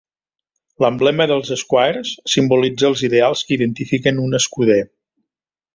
L'emblema dels Squires simbolitza els ideals que identifiquen un escuder.